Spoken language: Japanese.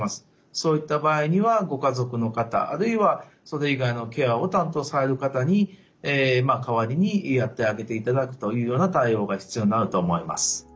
そういった場合にはご家族の方あるいはそれ以外のケアを担当される方に代わりにやってあげていただくというような対応が必要になると思います。